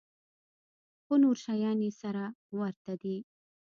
خو نور شيان يې سره ورته دي.